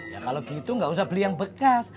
ya kalau gitu nggak usah beli yang bekas